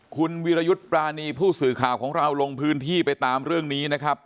คุณวิรยุทธ์ปรานีผู้สื่อข่าวของเราลงพื้นที่ไปตามเรื่องนี้นะครับ